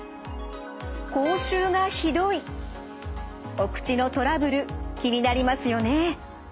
お口のトラブル気になりますよね。